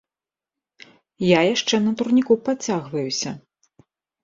Я яшчэ на турніку падцягваюся.